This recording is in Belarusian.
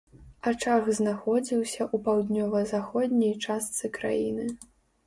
Ачаг знаходзіўся ў паўднёва-заходняй частцы краіны.